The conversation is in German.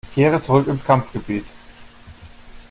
Kehre zurück ins Kampfgebiet!